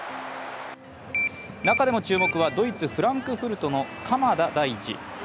中でも注目はドイツ、フランクフルトの鎌田大地。